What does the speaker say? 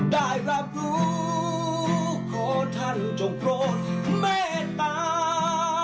ได้รับรู้ขอท่านจงโปรดเมตตา